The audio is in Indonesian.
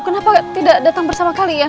kenapa tidak datang bersama kalian